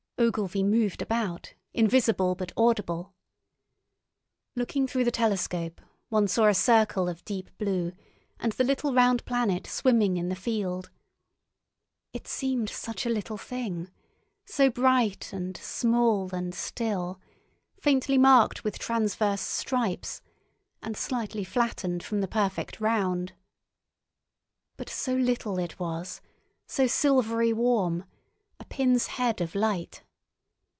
Ogilvy moved about, invisible but audible. Looking through the telescope, one saw a circle of deep blue and the little round planet swimming in the field. It seemed such a little thing, so bright and small and still, faintly marked with transverse stripes, and slightly flattened from the perfect round. But so little it was, so silvery warm—a pin's head of light!